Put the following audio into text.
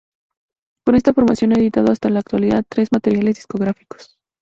Con esta formación ha editado hasta la actualidad tres materiales discográficos.